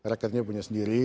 reketnya punya sendiri